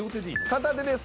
片手です。